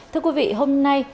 thưa quý vị hôm nay